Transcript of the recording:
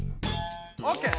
オッケー！